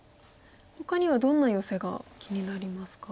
ほかにはどんなヨセが気になりますか？